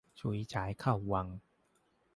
ฉุยฉายเข้าวัง